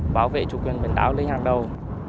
bảo vệ chủ quyền biển đảo lên hàng đầu